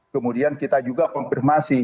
kemudian kita juga konfirmasi